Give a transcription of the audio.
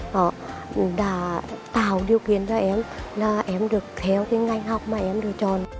họ đã tạo điều kiện cho em là em được theo cái ngành học mà em được chọn